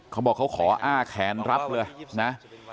เขาบอกเขาขออ้าแขนรับเลยนะ